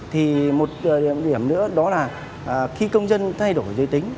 thì một điểm nữa đó là khi công dân thay đổi giới tính